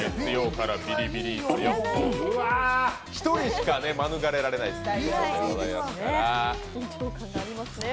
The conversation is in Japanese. １人しか免れられないという。